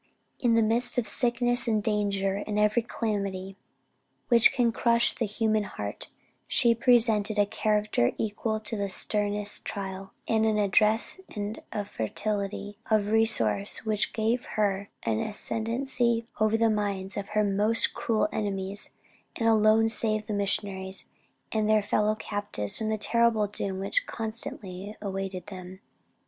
In the midst of sickness and danger, and every calamity which can crush the human heart, she presented a character equal to the sternest trial, and an address and a fertility of resources which gave her an ascendency over the minds of her most cruel enemies, and alone saved the missionaries and their fellow captives from the terrible doom which constantly awaited them."